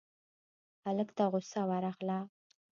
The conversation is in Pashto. هلک ته غوسه ورغله: